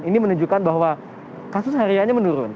ini menunjukkan bahwa kasus hariannya menurun